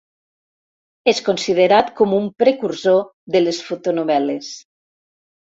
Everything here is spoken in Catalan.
És considerat com un precursor de les fotonovel·les.